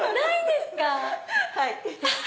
はい。